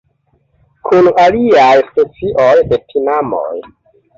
Kun aliaj specioj de tinamoj.